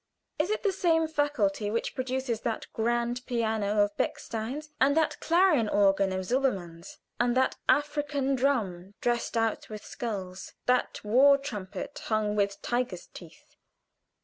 Is it the same faculty which produces that grand piano of Bechstein's, and that clarion organ of Silbermann's, and that African drum dressed out with skulls, that war trumpet hung with tiger's teeth?